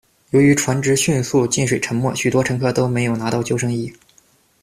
由于船只迅速进水沉没，许多乘客都没有拿到救生衣。